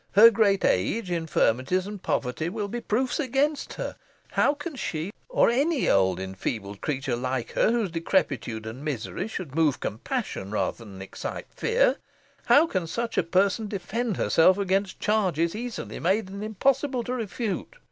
"Her great age, infirmities, and poverty, will be proofs against her. How can she, or any old enfeebled creature like her, whose decrepitude and misery should move compassion rather than excite fear how can such a person defend herself against charges easily made, and impossible to refute?